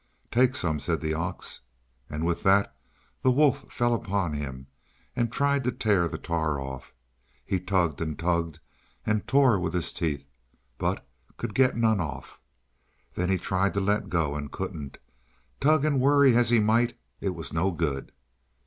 "Take some," said the ox. And with that the wolf fell upon him and tried to tear the tar off. He tugged and tugged, and tore with his teeth, but could get none off. Then he tried to let go, and couldn't; tug and worry as he might, it was no good.